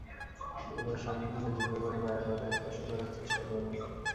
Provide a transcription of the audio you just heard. এবার সামনের দিকে ঝুঁকে পড়ে পায়ের পাতা স্পর্শ করার চেষ্টা করুন।